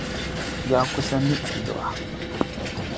Ya kusa nutsewa.